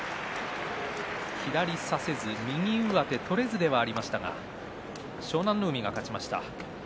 左差せず右上手取れずではありましたが湘南乃海が勝ちました。